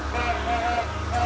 pak pak pak